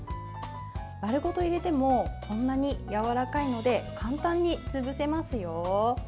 丸ごと入れてもこんなにやわらかいので簡単に潰せますよ。